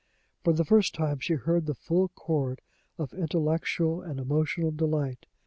For the first time she heard the full chord of intellectual and emotional delight.